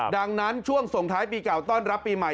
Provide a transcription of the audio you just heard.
ดังนั้นช่วงส่งท้ายปีเก่าต้อนรับปีใหม่